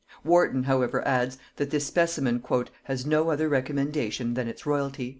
Warton however adds, that this specimen "has no other recommendation than its royalty."